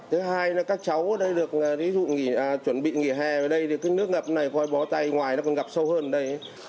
thứ hai là các cháu ở đây được ví dụ chuẩn bị nghỉ hè ở đây thì cái nước ngập này bỏ tay ngoài nó còn ngập sâu hơn ở đây